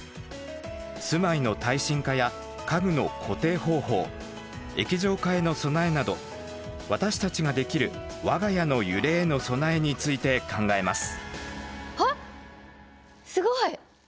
「住まいの耐震化」や「家具の固定方法」「液状化への備え」など私たちができる我が家の揺れへの備えについて考えます。